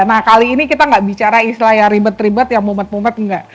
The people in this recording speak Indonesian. nah kali ini kita nggak bicara istilah yang ribet ribet yang mumet mumet enggak